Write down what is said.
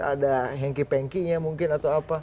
ada hengkih pengkihnya mungkin atau apa